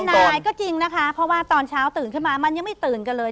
นายก็จริงนะคะเพราะว่าตอนเช้าตื่นขึ้นมามันยังไม่ตื่นกันเลย